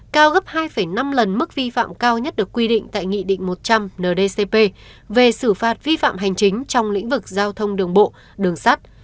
cao gấp hai năm lần mức vi phạm cao nhất được quy định tại nghị định một trăm linh ndcp về xử phạt vi phạm hành chính trong lĩnh vực giao thông đường bộ đường sắt